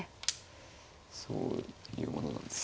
そういうものなんですね。